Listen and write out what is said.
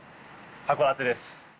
函館です！